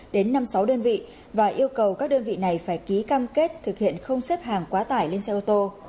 đến năm sáu đơn vị và yêu cầu các đơn vị này phải ký cam kết thực hiện không xếp hàng quá tải lên xe ô tô